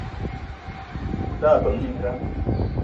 O tala ebeng minga